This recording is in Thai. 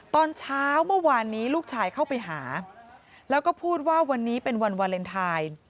ตอนเช้าเมื่อวานนี้ลูกชายเข้าไปหาแล้วก็พูดว่าวันนี้เป็นวันวาเลนไทย